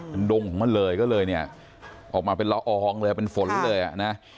มันดงของมันเลยก็เลยเนี่ยออกมาเป็นละอองเลยเป็นฝนเลยอ่ะนะ